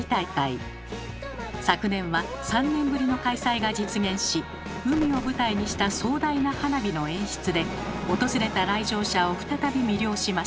昨年は３年ぶりの開催が実現し海を舞台にした壮大な花火の演出で訪れた来場者を再び魅了しました。